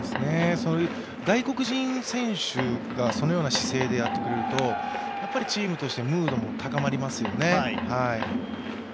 外国人選手がそのような姿勢でやってくれるとチームとしてムードも高まりますよね。